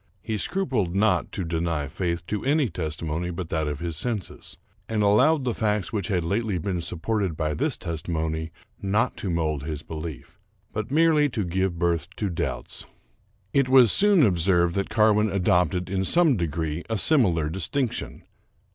He scrupled not to deny faith to any testimony but that of his senses, and allowed the 246 Charles Brockdcn Broivn facts which had lately been supported by this testimony not to mold his belief, but merely to give birth to doubts. It was soon observed that Carwin adopted, in some de gree, a similar distinction.